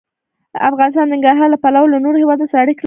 افغانستان د ننګرهار له پلوه له نورو هېوادونو سره اړیکې لري.